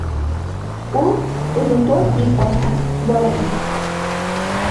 U uzun to‘n kiyib olgan bola edi.